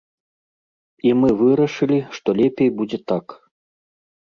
І мы вырашылі, што лепей будзе так.